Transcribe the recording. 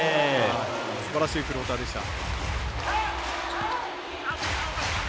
すばらしいフローターでした。